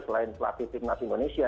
selain pelatih tim nasional indonesia